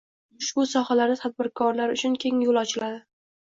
ushbu sohalarda tadbirkorlar uchun keng yo‘l ochiladi.